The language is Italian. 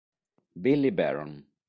Billy Baron